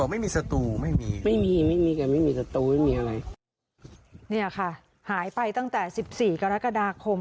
ไม่มีนะคะหายไปตั้งแต่สิบสี่ไกรกดาคม